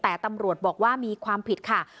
แต่ตำรวจบอกว่ามีความผิดค่ะ